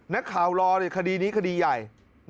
นักข่าวรอเลยคดีนี้คดีใหญ่